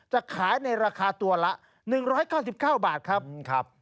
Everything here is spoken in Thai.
จะขายในราคาตัวละ๑๙๙บาทครับ